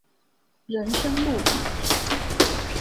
人生路引